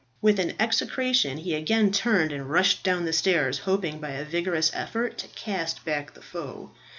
With an execration he again turned and rushed down the stairs, hoping by a vigorous effort to cast back the foe.